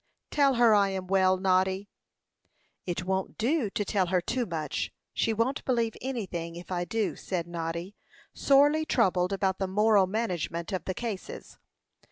"Tell her I am well, Noddy!" "It won't do to tell her too much; she won't believe anything, if I do," said Noddy, sorely troubled about the moral management of the cases.